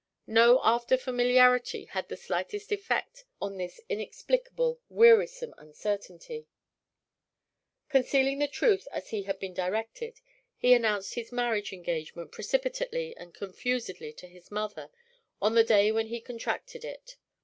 No after familiarity had the slightest effect on this inexplicable, wearisome uncertainty. Concealing the truth as he had been directed, he announced his marriage engagement precipitately and confusedly to his mother on the day when he contracted it.